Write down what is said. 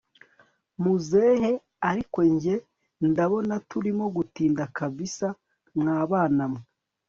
muzehe ariko njye ndabona turimo gutinda kabsa mwabana mwe